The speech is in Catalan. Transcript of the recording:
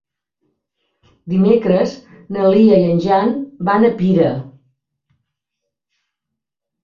Dimecres na Lia i en Jan van a Pira.